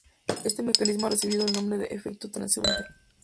Este mecanismo ha recibido el nombre de "efecto transeúnte".